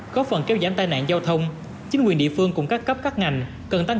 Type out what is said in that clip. hai mươi một có phần kéo giảm tai nạn giao thông chính quyền địa phương cũng khắc cấp các ngành cần tăng